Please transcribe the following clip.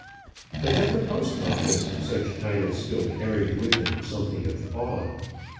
But at the Post Office such titles still carried with them something of awe.